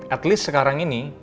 at least sekarang ini